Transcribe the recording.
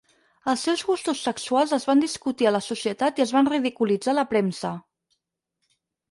Els seus gustos sexuals es van discutir a la societat i es van ridiculitzar a la premsa.